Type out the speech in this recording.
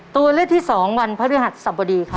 ตัวเลือกที่สองวันพฤษฐศัพท์บดีค่ะ